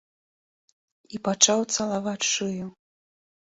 І пачаў цалаваць шыю.